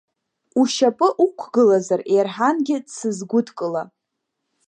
Ушьапы уқәгылазар Ерҳангьы дсызгәыдкыла.